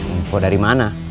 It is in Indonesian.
info dari mana